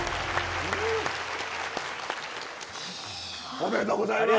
おめでとうございます。